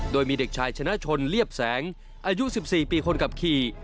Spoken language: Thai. โดยมีเด็กชายชนะชนเรียบแสงอายุ๑๔ปีคนขับขี่